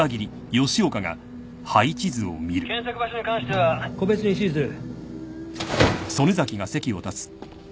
検索場所に関しては個別に指示する。